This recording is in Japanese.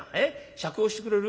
酌をしてくれる？